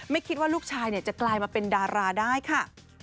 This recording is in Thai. ไม่คิดว่าลูกชายจะกลายมาเป็นดาราได้ค่ะ